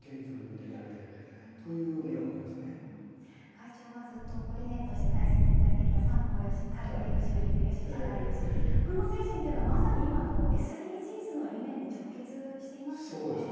会長がずっとご理念として大切にされてきた三方よしこの精神というのはまさに今のＳＤＧｓの理念に直結してますよね。